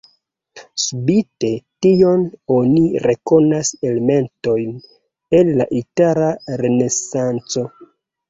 Spite tion oni rekonas elementojn el la itala renesanco.